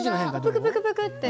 プクプクプクって。